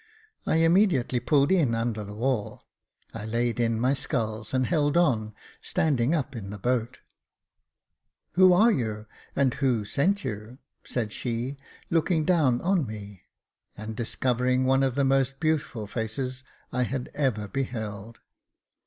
I immediately pulled in under the wall. I laid in my sculls, and held on, standing up in the boat. 304 Jacob Faithful " Who are you ? and who sent you ?" said she, looking down on me, and discovering one of the most beautiful faces I had ever beheld.